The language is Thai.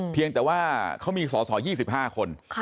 เพียงแต่ว่าเขามีสอสอ๒๕คน